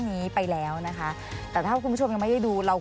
นั่นลูกต้องแถวไปเองไปกับหลาน